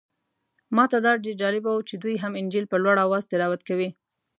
ماته دا ډېر جالبه و چې دوی هم انجیل په لوړ اواز تلاوت کوي.